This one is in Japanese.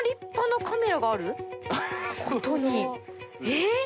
えっ？